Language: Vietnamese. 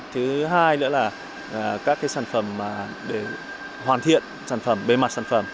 thứ hai nữa là các sản phẩm để hoàn thiện sản phẩm bề mặt sản phẩm